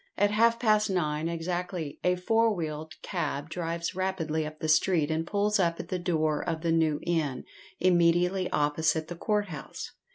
At half past nine exactly a four wheeled cab drives rapidly up the street, and pulls up at the door of the New Inn, immediately opposite the Court house.